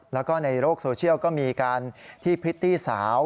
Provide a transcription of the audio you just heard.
แล้วก็ในโลกโซเชียลก็มีการที่พริตตี้สาว